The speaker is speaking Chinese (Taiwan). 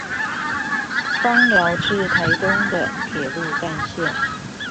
枋寮至臺東的鐵路幹線